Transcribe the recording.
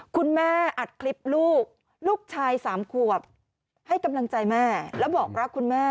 คุณแม่อัดคลิปลูกลูกชาย๓ขวบให้กำลังใจแม่แล้วบอกรักคุณแม่